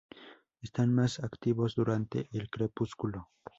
Están más activos durante el crepúsculo.